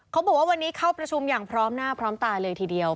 เขาบอกว่าวันนี้เข้าประชุมอย่างพร้อมหน้าพร้อมตาเลยทีเดียว